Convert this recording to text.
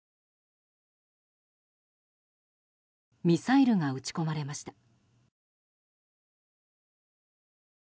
ミサイルが撃ち込まれました。